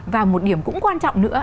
và một điểm cũng quan trọng nữa